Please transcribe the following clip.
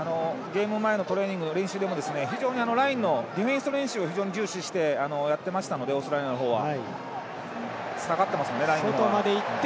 ゲーム前のトレーニング練習でも非常にラインのディフェンス練習を非常に重視してやってましたのでオーストラリアの方は。